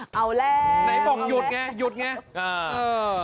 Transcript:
เปล่ายุดไงยุดไง